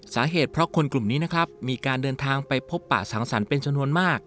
สาเหตุเพราะคนกลุ่มนี้นะครับมีการเดินทางไปพบปะสังสรรค์เป็นจำนวนมาก